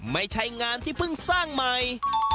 ไม่ใช่งานที่เพิ่งสร้างใหม่